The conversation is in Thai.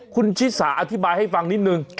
คุณชิสาอธิบายให้ฟังนิดนึง